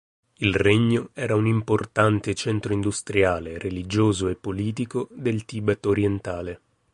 Il regno era un importante centro industriale, religioso e politico del Tibet orientale.